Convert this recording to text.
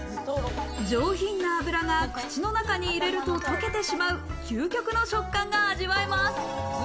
上品な脂が口の中に入れると、溶けてしまう究極の食感が味わえます。